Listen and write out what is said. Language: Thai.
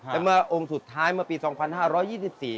แต่เมื่อองค์สุดท้ายเมื่อปี๒๕๒๔